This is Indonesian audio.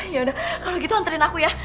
yaudah kalau gitu hanturin aku ya